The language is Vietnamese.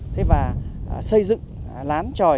thế và xây dựng lán tròi